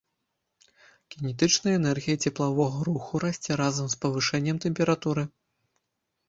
Кінетычная энергія цеплавога руху расце разам з павышэннем тэмпературы.